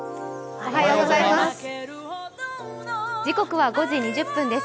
おはようございます。